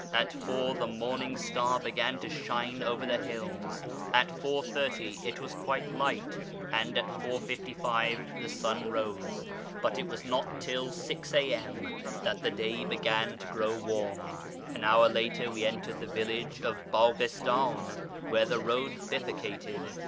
At 4.0 the morning star began to shine over the hills. At 4.30 it was quite light, and at 4.55 the sun rose; but it was not till 6 a.m. that the day began to grow warm. An hour later we entered the village of Baghistan, where the road bifurcated.